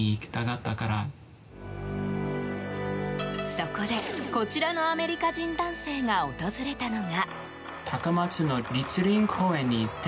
そこで、こちらのアメリカ人男性が訪れたのが。